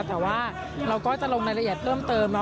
แต่ว่าเราก็จะลงระยะเพิ่มเติม